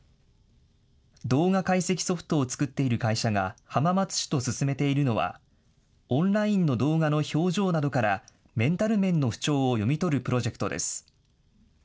動画解析ソフトを作っている会社が、浜松市と進めているのは、オンラインの動画の表情などから、メンタル面の不調を読み取るプロジェクトです。